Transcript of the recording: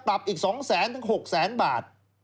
ปรับอีก๒๐๐๐๐๐ถึง๖๐๐๐๐๐บาท